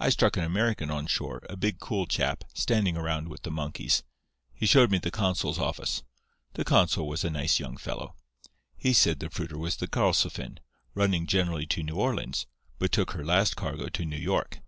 I struck an American on shore, a big, cool chap, standing around with the monkeys. He showed me the consul's office. The consul was a nice young fellow. He said the fruiter was the Karlsefin, running generally to New Orleans, but took her last cargo to New York.